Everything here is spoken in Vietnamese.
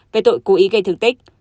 về tội cố ý gây thương tích